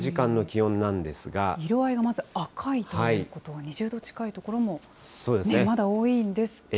色合いがまず赤いということは、２０度近い所もまだ多いんですけれども。